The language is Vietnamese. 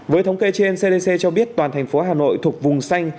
với thống kê trên cdc cho biết toàn thành phố hà nội thuộc vùng xanh